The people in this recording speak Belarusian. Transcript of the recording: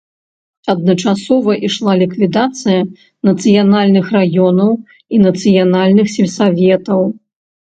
Адначасова ішла ліквідацыя нацыянальных раёнаў і нацыянальных сельсаветаў.